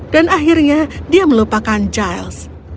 dan akhirnya dia melupakan jal